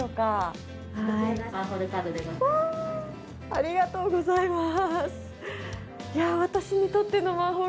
ありがとうございます。